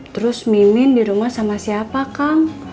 terus mimin dirumah sama siapa kang